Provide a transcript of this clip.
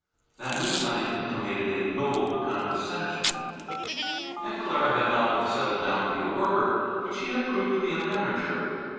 That new sign intimated a noble condescension. Aunt Clara had not only settled down to be a worker, but she had proved to be a manager.